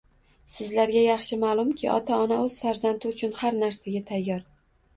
Sizlarga yaxshi ma’lumki, ota-ona o‘z farzandi uchun har narsaga tayyor